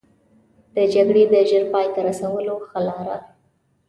د جګړې د ژر پای ته رسولو ښه لاره.